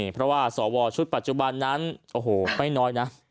เพราะว่าสวชุดปัจจุบันนั้นโอ้โหไม่น้อยนะ